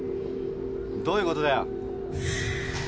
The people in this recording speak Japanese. どういうことだよ？